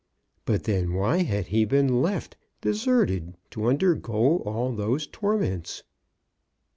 But then why had he been left, deserted, to undergo all those torments?